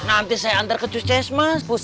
nanti saya antar ke cuskesmas